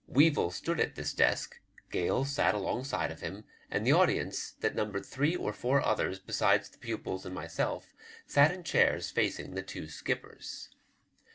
Weevil stood at this desk, Gale sat alongside of him, and the audience, that numbered three or four others besides the pupils and myself, sat in chairs facing the two skippers.